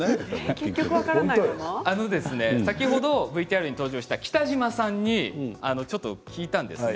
先ほどＶＴＲに登場した北島さんにちょっと聞いたんですね。